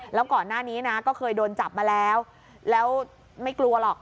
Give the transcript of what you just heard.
แล้วก่อนหน้านี้นะก็เคยโดนจับมาแล้วแล้วไม่กลัวหรอก